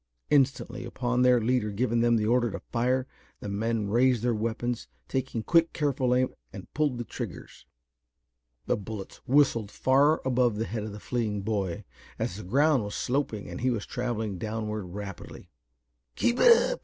Instantly, upon their leader giving them the order to fire, the men raised their weapons, taking quick, careful aim, and pulled the triggers. Their bullets whistled far above the head of the fleeing boy, as the ground was sloping and he was traveling downward rapidly. "Keep it up.